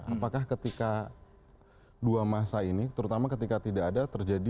apakah ketika dua masa ini terutama ketika tidak ada terjadi